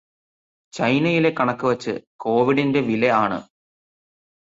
ചൈനയിലെ കണക്കു വെച്ച് കോവിഡിന്റെ വില ആണ്.